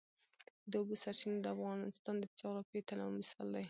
د اوبو سرچینې د افغانستان د جغرافیوي تنوع مثال دی.